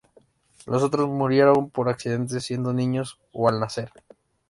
Los otros murieron por accidentes siendo niños o al nacer.